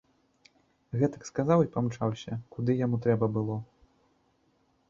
Гэтак сказаў і памчаўся, куды яму трэба было.